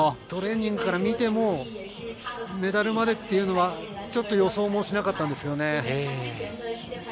トレーニングから見てもメダルまでっていうのは予想もしなかったんですよね。